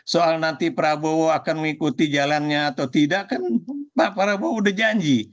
soal nanti prabowo akan mengikuti jalannya atau tidak kan pak prabowo udah janji